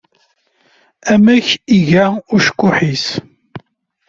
Amek iga ucekkuḥ-is?